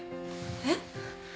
えっ？